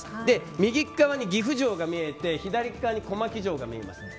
右側に岐阜城が見えて左側に小牧城が見えるんです。